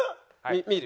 見る？